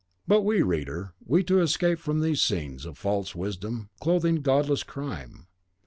But we, reader, we too escape from these scenes of false wisdom clothing godless crime.